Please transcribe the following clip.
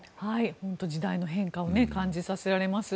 本当に時代の変化を感じさせられます。